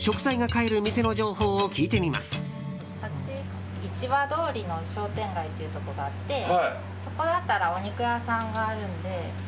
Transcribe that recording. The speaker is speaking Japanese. あっちに市場通りの商店街というところがあってそこだったらお肉屋さんがあるので。